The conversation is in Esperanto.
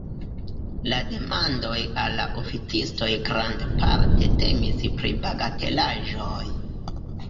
La demandoj al la oficistoj grandparte temis pri bagatelaĵoj.